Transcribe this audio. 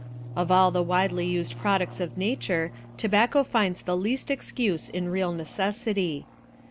Of all the widely used products of nature, tobacco finds the least excuse in real necessity.